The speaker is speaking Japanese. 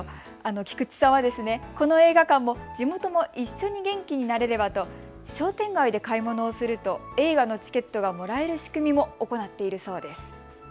菊池さんはこの映画館も地元も一緒に元気になれればと商店街で買い物をすると映画のチケットがもらえる仕組みも行っているそうです。